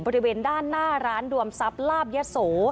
บริเวณด้านหน้าร้านดวมทรัพย์ลาบยะโส